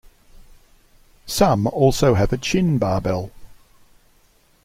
Some also have a chin barbel.